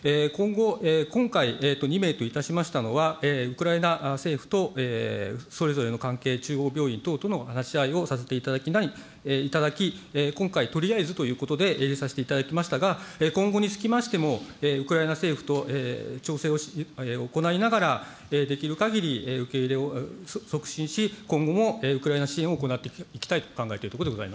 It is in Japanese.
今回、２名といたしましたのは、ウクライナ政府とそれぞれの関係、中央病院等々との話し合いをさせていただき、今回、とりあえずということで、入れさせていただきましたが、今後につきましても、ウクライナ政府と調整を行いながら、できるかぎり受け入れを促進し、今後もウクライナ支援を行っていきたいと考えているところでござ